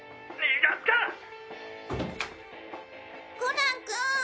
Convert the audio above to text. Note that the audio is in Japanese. コナン君。